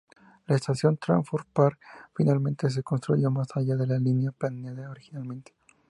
La estación, Trafford Park, finalmente se construyó, más allá de la línea planeada originalmente.